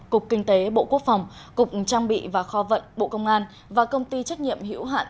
cục kinh tế bộ quốc phòng cục trang bị và kho vận bộ công an và công ty trách nhiệm hữu hạn